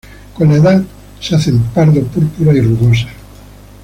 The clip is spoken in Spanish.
Con la edad, se hacen pardo púrpura, y rugosas.